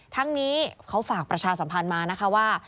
ทั้งนี้เขาฝากประชาสัมพันธ์มานะคะว่า